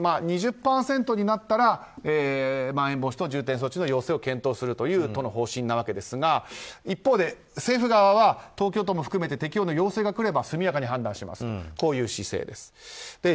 ２０％になったらまん延防止等重点措置の要請を検討するという都の方針ですが一方で政府側は東京都も含めて適用の要請が来れば速やかに判断しますとこういう姿勢です。